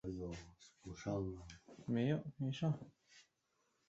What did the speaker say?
京都府京都市出身。